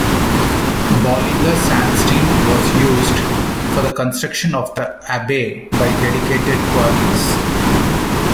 Bollinger Sandstein was used for the construction of the abbey by dedicated quarries.